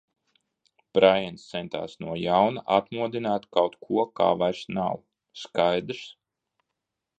Braiens centās no jauna atmodināt kaut ko, kā vairs nav, skaidrs?